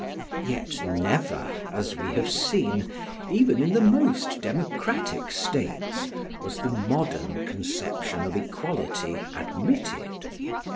Yet never, as we have seen, even in the most democratic states, was the modern conception of equality admitted.